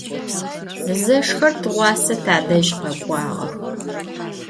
Zeşşıxer tığuase tadej khek'uağex.